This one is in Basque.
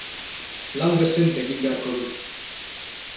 Lan dezente egin beharko dut.